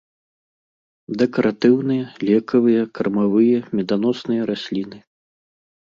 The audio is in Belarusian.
Дэкаратыўныя, лекавыя, кармавыя, меданосныя расліны.